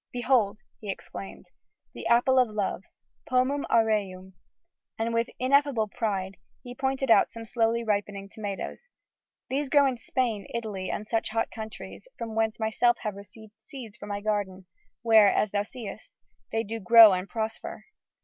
"Behold!" he exclaimed, "the Apple of Love, Pomum Aureum!" and, with ineffable pride, he pointed out some slowly ripening tomatoes. "These grow in Spain, Italy and such hot countries, from whence myself have received seeds for my garden, where, as thou seest, they do grow and prosper....